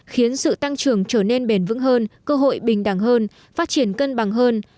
khiến sự tăng trưởng trở nên bền vững hơn cơ hội bình đẳng hơn phát triển cân bằng hơn